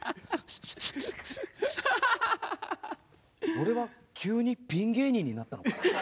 俺は急にピン芸人になったのか？